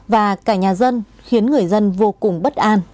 và cả nhà dân khiến người dân vô cùng bất an